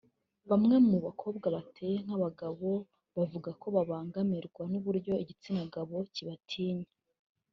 Bamwe mu bakobwa bateye nk’abagabo bavuga ko babangamirwa n’uburyo igitsina gabo kibatinya